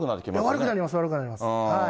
悪くなります、悪くなります。